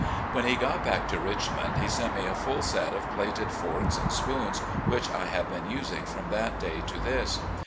When he got back to Richmond he sent me a full set of plated forks and spoons, which I have been using from that day to this.